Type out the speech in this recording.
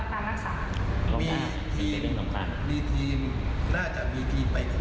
คุณแม่าน่าจะต้องประชานะครับผ้าใช้จ่าย